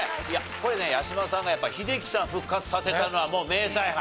これね八嶋さんが英樹さん復活させたのはもう名采配！